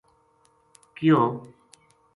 کیو